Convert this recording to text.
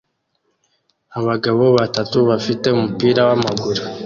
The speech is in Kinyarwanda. abagabo batatu bafite umupira wamaguru